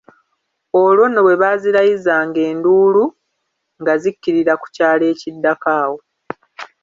Olwo nno bwe baazirayizanga enduulu, nga zikkirira ku kyalo ekiddako awo.